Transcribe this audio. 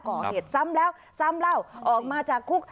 ก่อเหตุซ้ำแล้วซ้ำเล่าออกมาจากคุก